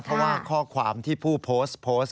เพราะว่าข้อความที่ผู้โพสต์โพสต์